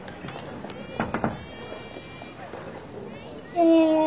お！